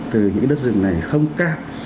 từ những đất rừng này không cao